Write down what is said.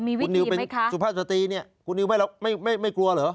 มีวิธีไหมคะคุณนิวเป็นสุภาษาตีนี่คุณนิวไม่กลัวเหรอ